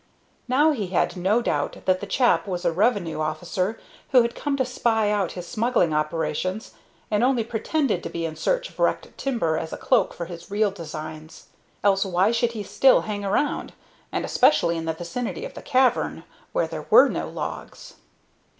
Now he had no doubt that the chap was a revenue officer who had come to spy out his smuggling operations, and only pretended to be in search of wrecked timber as a cloak for his real designs. Else why should he still hang around, and especially in the vicinity of the cavern, where there were no logs?